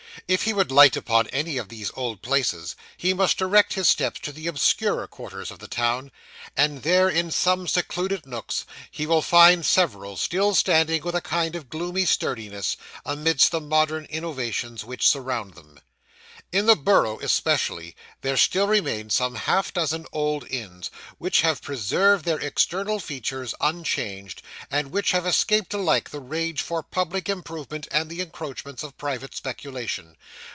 If he would light upon any of these old places, he must direct his steps to the obscurer quarters of the town, and there in some secluded nooks he will find several, still standing with a kind of gloomy sturdiness, amidst the modern innovations which surround them. In the Borough especially, there still remain some half dozen old inns, which have preserved their external features unchanged, and which have escaped alike the rage for public improvement and the encroachments of private speculation.